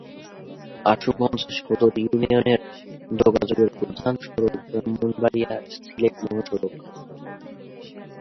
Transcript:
আশুগঞ্জ সদর ইউনিয়নে যোগাযোগের প্রধান সড়ক ব্রাহ্মণবাড়িয়া-সিলেট মহাসড়ক।